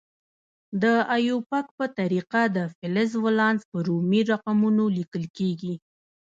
د ایوپاک په طریقه د فلز ولانس په رومي رقمونو لیکل کیږي.